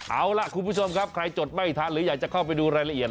เอาล่ะคุณผู้ชมครับใครจดไม่ทันหรืออยากจะเข้าไปดูรายละเอียด